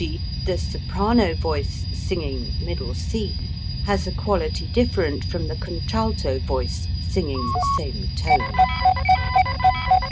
g._, the soprano voice singing c' has a quality different from the contralto voice singing the same tone.